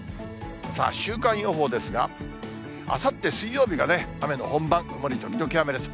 週間予報ですが、あさって水曜日がね、雨の本番、曇り時々雨です。